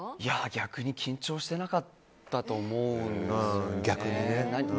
逆に緊張してなかったと思うんです。